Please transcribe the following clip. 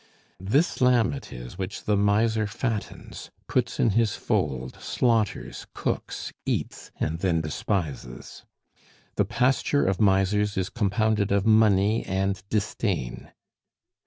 This lamb it is which the miser fattens, puts in his fold, slaughters, cooks, eats, and then despises. The pasture of misers is compounded of money and disdain.